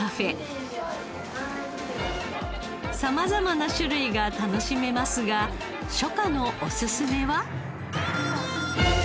様々な種類が楽しめますが初夏のおすすめは？